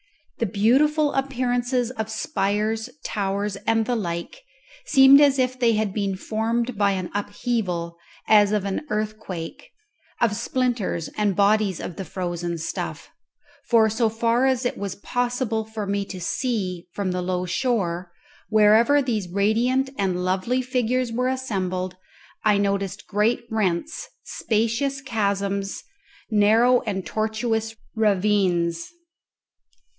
The beautiful appearances of spires, towers, and the like seemed as if they had been formed by an upheaval, as of an earthquake, of splinters and bodies of the frozen stuff; for, so far as it was possible for me to see from the low shore, wherever these radiant and lovely figures were assembled I noticed great rents, spacious chasms, narrow and tortuous ravines.